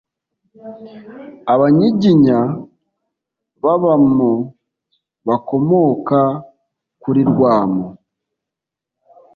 Abanyiginya b’Abamo bakomoka kuri Rwamo